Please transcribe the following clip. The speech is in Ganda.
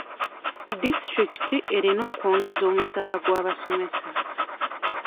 Disitulikiti erina okwongeza omusaala gw'abasomesa.